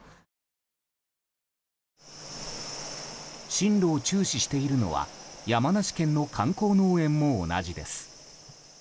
進路を注視しているのは山梨県の観光農園も同じです。